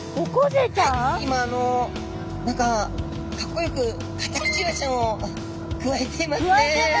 今あの何かかっこよくカタクチイワシちゃんをくわえていますね。